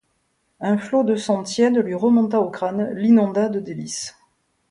Un flot de sang tiède lui remonta au crâne, l'inonda de délices.